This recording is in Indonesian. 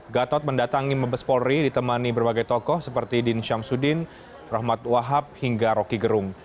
gatot mendatangi mabes polri ditemani berbagai tokoh seperti din syamsuddin rahmat wahab hingga rocky gerung